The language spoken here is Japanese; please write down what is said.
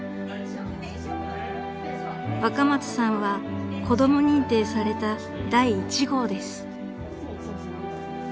［若松さんは子供認定された第１号です］